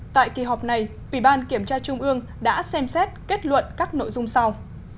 tại kỳ họp này ủy ban kiểm tra trung ương đã xem xét kết luận các nội dung sau